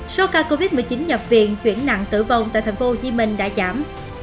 số ca covid một mươi chín nhập viện chuyển nặng tử vong tại tp hcm đã giảm